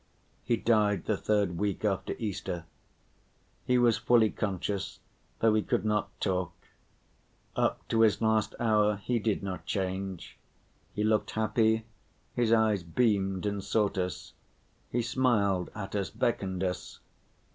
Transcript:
He died the third week after Easter. He was fully conscious though he could not talk; up to his last hour he did not change. He looked happy, his eyes beamed and sought us, he smiled at us, beckoned us.